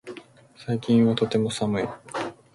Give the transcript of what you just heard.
最近はとても寒い